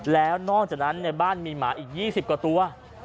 แล้วนอกจากนั้นในบ้านมีหมาอีก๒๐กว่าตัว